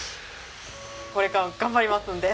これからも頑張りますんで。